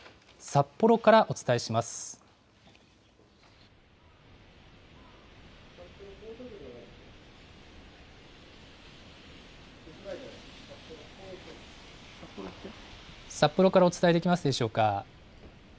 札幌からお伝えできますでしょうか。